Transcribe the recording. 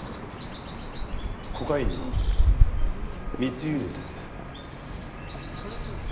コカインの密輸入ですね？